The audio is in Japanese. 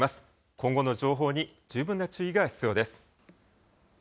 今後の情報に十分な注意が必要です。